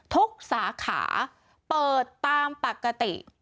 สาขาเปิดตามปกติ